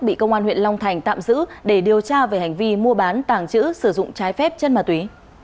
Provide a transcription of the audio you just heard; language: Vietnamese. bị công an huyện long thành tạm giữ để điều tra về hành vi mua bán tàng trữ sử dụng trái phép chất ma túy